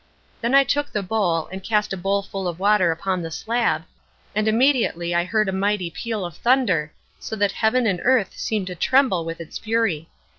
Then I took the bowl, and cast a bowlful of water upon the slab, and immediately I heard a mighty peal of thunder, so that heaven and earth seemed to tremble with its fury.